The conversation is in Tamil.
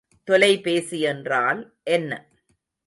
தொலைபேசி என்றால் என்ன?